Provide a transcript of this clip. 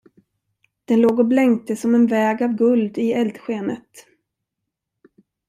Den låg och blänkte som en väg av guld i eldskenet.